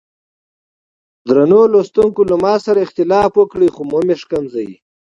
درنو لوستونکو له ما سره اختلاف وکړئ خو مه مې ښکنځئ.